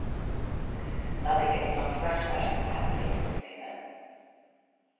Moat ik ek noch foarsoarchmaatregels nimme?